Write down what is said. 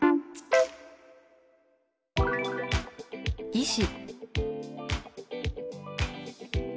「医師」。